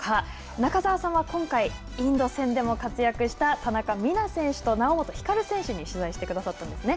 中澤さんは今回インド戦でも活躍した田中美南選手と猶本光選手に取材してくださったんですね。